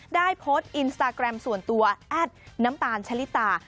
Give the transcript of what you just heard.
ได้โพสต์อินสตาแกรมส่วนตัวแอดน้ำตาลชะลิตา